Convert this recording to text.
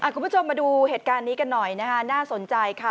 คุณผู้ชมมาดูเหตุการณ์นี้กันหน่อยนะคะน่าสนใจค่ะ